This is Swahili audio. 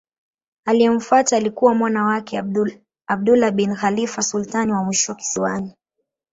Aliyemfuata alikuwa mwana wake Abdullah bin Khalifa sultani wa mwisho kisiwani.